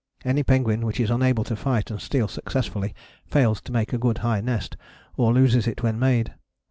Any penguin which is unable to fight and steal successfully fails to make a good high nest, or loses it when made.